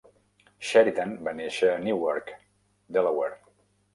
Sheridan va néixer a Newark, Delaware.